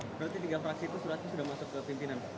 berarti tiga fraksi itu suratnya sudah masuk ke pimpinan